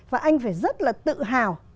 và anh phải rất là tự hào